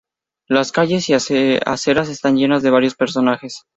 Las calles y aceras están llenas de varios personajes.